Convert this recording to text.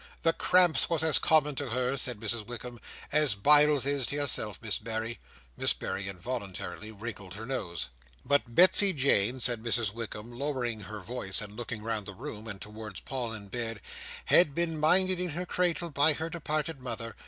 The cramps was as common to her," said Mrs Wickam, "as biles is to yourself, Miss Berry." Miss Berry involuntarily wrinkled her nose. "But Betsey Jane," said Mrs Wickam, lowering her voice, and looking round the room, and towards Paul in bed, "had been minded, in her cradle, by her departed mother.